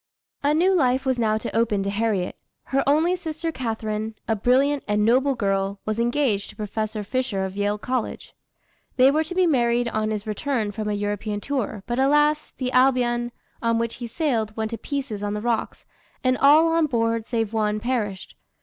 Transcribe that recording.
A new life was now to open to Harriet. Her only sister Catharine, a brilliant and noble girl, was engaged to Professor Fisher of Yale College. They were to be married on his return from a European tour, but alas! the Albion, on which he sailed, went to pieces on the rocks, and all on board, save one, perished.